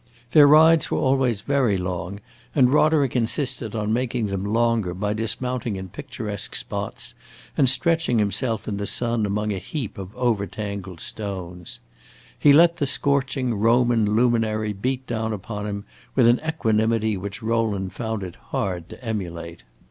Their rides were always very long, and Roderick insisted on making them longer by dismounting in picturesque spots and stretching himself in the sun among a heap of overtangled stones. He let the scorching Roman luminary beat down upon him with an equanimity which Rowland found it hard to emulate.